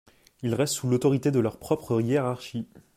Ils restent sous l’autorité de leur propre hiérarchie.